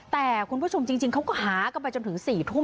แต่คุณผู้ชมจริงเขาก็หากันไปจนถึง๔ทุ่ม